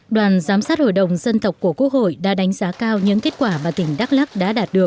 đoàn giám sát hội đồng dân tộc của quốc hội đã đánh giá cao những kết quả mà tỉnh đắk lắc đã đạt được